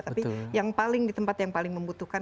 tapi yang paling di tempat yang paling membutuhkan